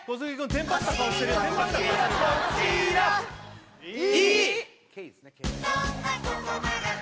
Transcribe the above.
テンパった顔してるい！